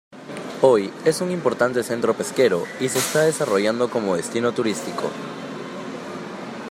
Hoy es un importante centro pesquero y se está desarrollando como destino turístico.